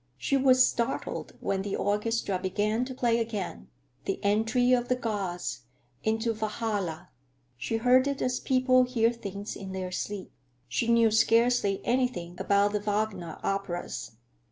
She was startled when the orchestra began to play again—the entry of the gods into Walhalla. She heard it as people hear things in their sleep. She knew scarcely anything about the Wagner operas.